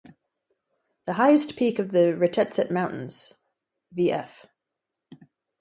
The highest peak of the Retezat Mountains, Vf.